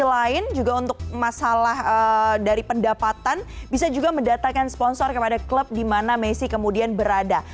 selain juga untuk masalah dari pendapatan bisa juga mendatangkan sponsor kepada klub di mana messi kemudian berada